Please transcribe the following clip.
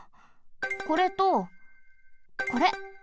これとこれ！